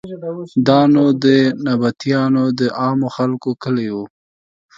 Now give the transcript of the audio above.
دا نو د نبطیانو د عامو خلکو کلی و.